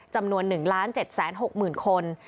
จำนวน๑๗๖๐๐๐คน